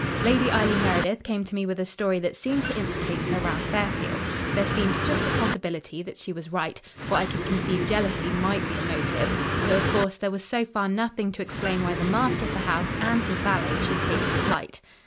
"Lady Eileen Meredith came to me with a story that seemed to implicate Sir Ralph Fairfield. There seemed just a possibility that she was right, for I could conceive jealousy might be a motive though, of course, there was so far nothing to explain why the master of the house and his valet should take to flight.